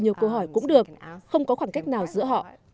nhiều câu hỏi cũng được không có khoảng cách nào giữa họ